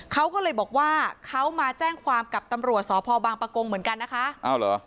เขาก็เลยบอกว่าเขามาแจ้งความกับตำรวจสพบางประกงเหมือนกันนะคะอ้าวเหรอ